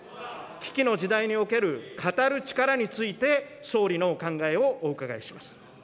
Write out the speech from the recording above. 危機の時代における語る力について総理のお考えをお伺いします。